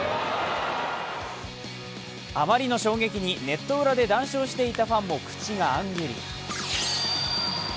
あまりの衝撃にネット裏で談笑していたファンも、口があんぐり。